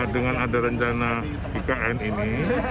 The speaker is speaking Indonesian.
dengan ada rencana ikn ini